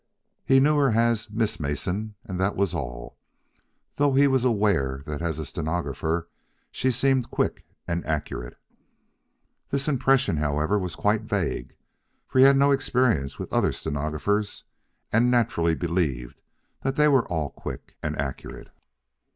He knew her as "Miss Mason," and that was all, though he was aware that as a stenographer she seemed quick and accurate. This impression, however, was quite vague, for he had had no experience with other stenographers, and naturally believed that they were all quick and accurate.